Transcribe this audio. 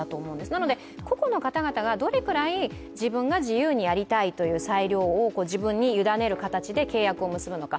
なので、個々の方がどれだけ自分が自由にやりたいという裁量を自分にゆだねる形で契約を結ぶのか。